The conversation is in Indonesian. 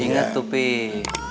ingat tuh peh